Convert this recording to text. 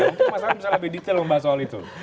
mas awin bisa lebih detail membahas soal itu